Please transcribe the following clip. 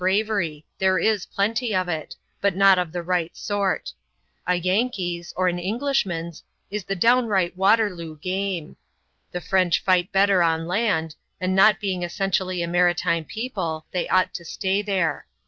Ill bravery — there is plenty of it ; but not of the right sort. A Yankee's, or an Englishman's, is the downright Waterloo " game." The French fight better on land ; and, not being essentially a maritime people, they ought to stay there.